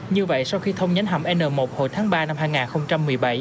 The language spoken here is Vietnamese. như vậy sau khi thông nhánh hầm n một hồi tháng ba năm hai nghìn một mươi bảy